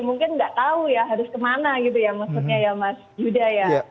mungkin nggak tahu ya harus kemana gitu ya maksudnya ya mas yuda ya